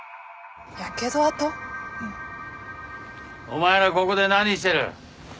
お前らここで何してる？